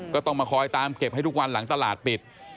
ก็ต้องมาคอยตามเก็บให้ทุกวันหลังตลาดปิด